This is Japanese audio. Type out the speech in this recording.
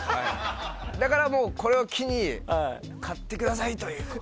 だからこれを機に買ってくださいという。